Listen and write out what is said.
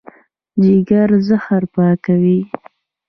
جګر زهر پاکوي.